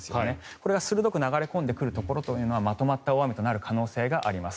これが鋭く流れ込んでくるところというのはまとまった大雨となる可能性があります。